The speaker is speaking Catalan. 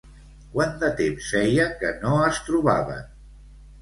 Quant de temps feia que no es trobaven?